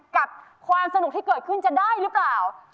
กับความสนุกที่เกิดขึ้นจะได้หรือเปล่า